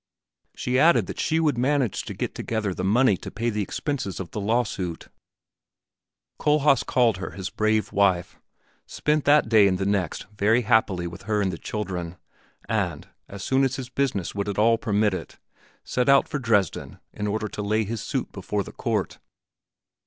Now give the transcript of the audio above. She added that she would manage to get together the money to pay the expenses of the lawsuit. Kohlhaas called her his brave wife, spent that day and the next very happily with her and the children, and, as soon as his business would at all permit it, set out for Dresden in order to lay his suit before the court.